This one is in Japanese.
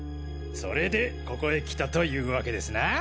それでここへ来たという訳ですな？